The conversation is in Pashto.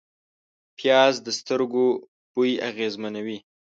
پیاز د سترګو بوی اغېزمنوي